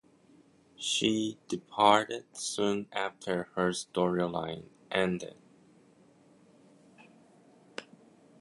She departed soon after her storyline ended.